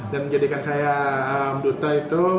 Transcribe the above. dan menjadikan saya duta itu